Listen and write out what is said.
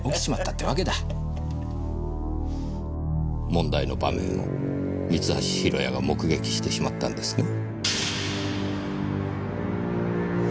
問題の場面を三橋弘也が目撃してしまったんですね？